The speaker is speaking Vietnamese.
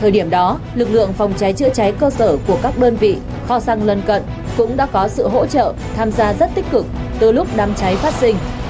thời điểm đó lực lượng phòng cháy chữa cháy cơ sở của các đơn vị kho xăng lân cận cũng đã có sự hỗ trợ tham gia rất tích cực từ lúc đám cháy phát sinh